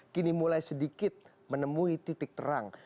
kini mulai sedikit menemui titik terang